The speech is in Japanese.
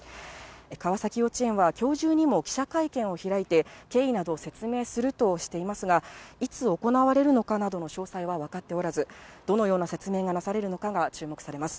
川崎幼稚園は、きょう中にも記者会見を開いて、経緯など説明するとしていますが、いつ行われるかなどの詳細は分かっておらず、どのような説明がなされるのかが注目されます。